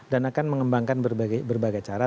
akan mengembangkan berbagai cara